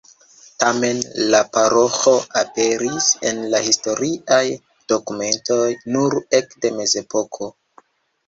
Tamen, la paroĥo aperis en la historiaj dokumentoj nur ekde Mezepoko.